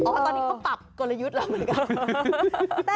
ตอนนี้เขาปรับกลยุทธ์แล้วเหมือนกัน